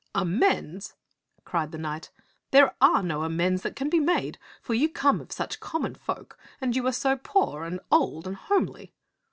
"Amends!" cried the knight. "There are no amends that can be made, for you come of such com mon folk, and you are so poor and old and homely."